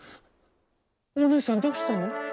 「おねえさんどうしたの？